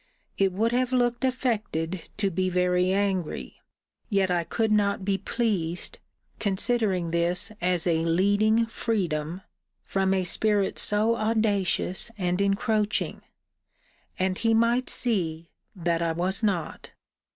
It would have looked affected to be very angry; yet I could not be pleased, considering this as a leading freedom, from a spirit so audacious and encroaching: and he might see, that I was not.